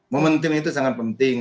momentum itu sangat penting